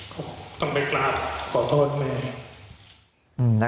ผมต้องไปกลับมา